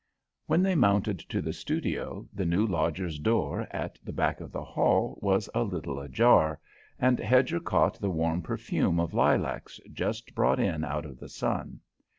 When they mounted to the studio, the new lodger's door, at the back of the hall, was a little ajar, and Hedger caught the warm perfume of lilacs just brought in out of the sun.